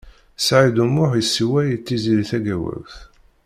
Saɛid U Muḥ yessewway i Tiziri Tagawawt.